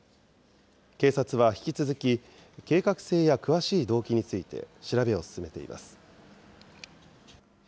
警察は引き続き、計画性や詳しい動機について調べを進めています。